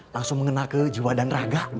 langsung mengenal ke jiwa dan raga